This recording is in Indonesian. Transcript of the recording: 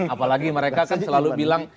apalagi mereka kan selalu bilang